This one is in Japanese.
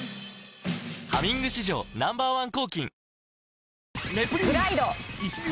「ハミング」史上Ｎｏ．１抗菌